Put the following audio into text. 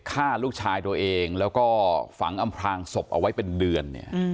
ฆ่าลูกชายตัวเองแล้วก็ฝังอำพลางศพเอาไว้เป็นเดือนเนี่ย